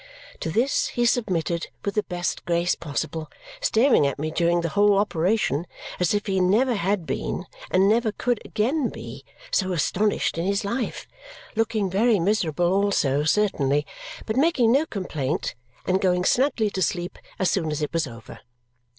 To this he submitted with the best grace possible, staring at me during the whole operation as if he never had been, and never could again be, so astonished in his life looking very miserable also, certainly, but making no complaint, and going snugly to sleep as soon as it was over.